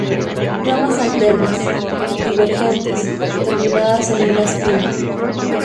Ramas alternas, divergentes, terminadas en una espina.